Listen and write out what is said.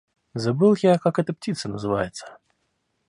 Забыл я, как эта птица называется.